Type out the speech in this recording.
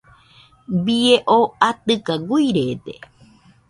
Bie oo atɨka guirede.